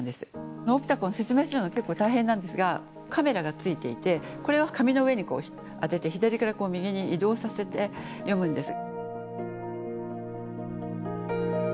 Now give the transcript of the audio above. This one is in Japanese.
このオプタコン説明するのは結構大変なんですがカメラがついていてこれを紙の上に当てて左から右に移動させて読むんです。